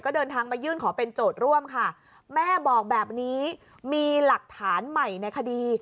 ก็เดินทางมายื่นขอเป็นโจทย์ร่วมค่ะแม่บอกแบบนี้มีหลักฐานใหม่ในคดี